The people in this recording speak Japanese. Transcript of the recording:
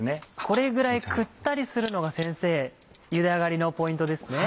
これぐらいくったりするのがゆで上がりのポイントですね。